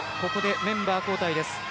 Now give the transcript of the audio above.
ここでメンバー交代です。